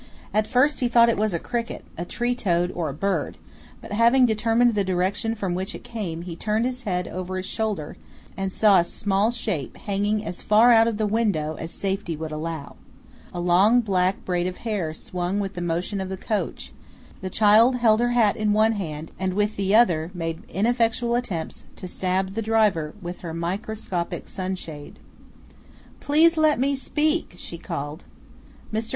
At first he thought it was a cricket, a tree toad, or a bird, but having determined the direction from which it came, he turned his head over his shoulder and saw a small shape hanging as far out of the window as safety would allow. A long black braid of hair swung with the motion of the coach; the child held her hat in one hand and with the other made ineffectual attempts to stab the driver with her microscopic sunshade. "Please let me speak!" she called. Mr.